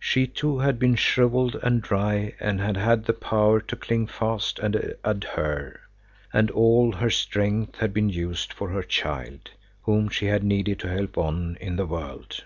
She too had been shrivelled and dry and had had the power to cling fast and adhere, and all her strength had been used for her child, whom she had needed to help on in the world.